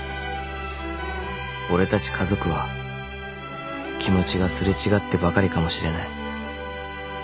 ［俺たち家族は気持ちが擦れ違ってばかりかもしれない］